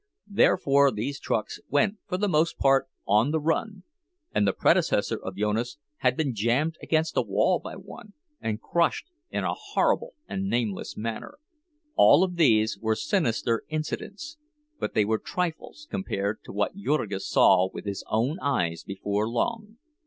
Therefore these trucks went for the most part on the run; and the predecessor of Jonas had been jammed against the wall by one and crushed in a horrible and nameless manner. All of these were sinister incidents; but they were trifles compared to what Jurgis saw with his own eyes before long.